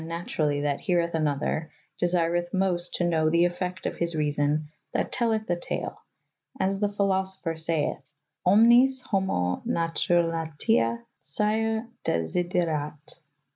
naturally that hereth a nother, desyreth moste to know the effecte of his reason that tellyth the tale, as the philosopher seith {pmms homo naturalit,?^ scire desiderat)